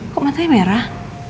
kok matanya merah